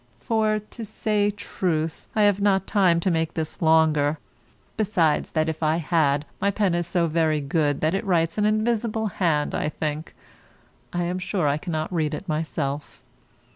For, [to] say truth, I have not time to make this longer; besides that if I had, my pen is so very good that it writes an invisible hand, I think; I am sure I cannot read it myself.